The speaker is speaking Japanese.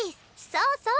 そうそう。